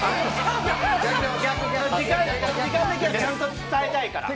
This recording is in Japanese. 時間だけはちゃんと伝えたいから。